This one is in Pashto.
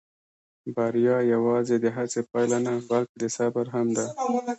بریا یواځې د هڅې پایله نه، بلکې د صبر هم ده.